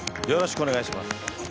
よろしくお願いします。